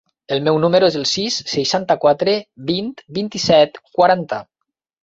El meu número es el sis, seixanta-quatre, vint, vint-i-set, quaranta.